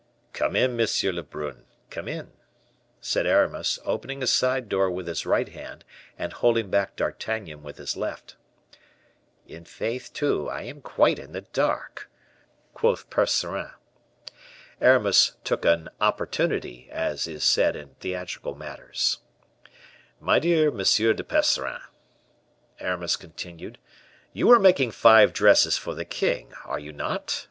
"Come in, M. Lebrun, come in," said Aramis, opening a side door with his right hand, and holding back D'Artagnan with his left. "I'faith, I too, am quite in the dark," quoth Percerin. Aramis took an "opportunity," as is said in theatrical matters. "My dear M. de Percerin," Aramis continued, "you are making five dresses for the king, are you not?